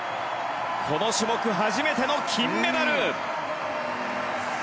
この種目、初めての金メダル！